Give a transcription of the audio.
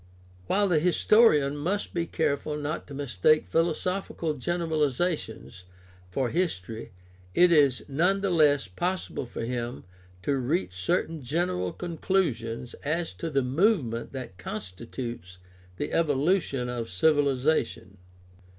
While the historian must be careful not to mistake philosophical generalizations for history, it is none the less possible for him to reach certain general conclusions as to the movement that constitutes the evolution of civilization.